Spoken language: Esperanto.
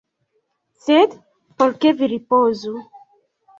Sed por ke vi ripozu.